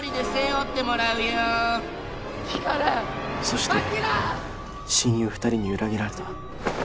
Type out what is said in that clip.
そして親友２人に裏切られた。